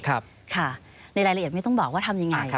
ค่ะในรายละเอียดไม่ต้องบอกว่าทำยังไง